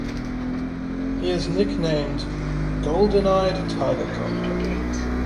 He is nicknamed "Golden Eyed Tiger Cub".